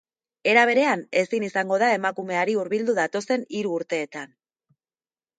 Era berean, ezin izango da emakumeari hurbildu datozen hiru urteetan.